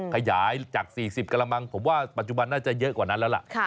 ขยายจาก๔๐กระมังผมว่าปัจจุบันน่าจะเยอะกว่านั้นแล้วล่ะ